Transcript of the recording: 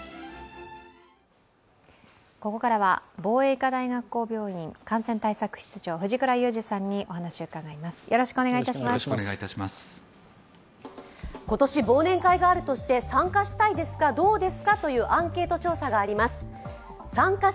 ここからは防衛医科大学校病院感染対策室長藤倉雄二さんにお話を伺います。